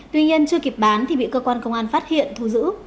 tuy nhiên chưa kịp bán thì bị cơ quan công an phát hiện thu giữ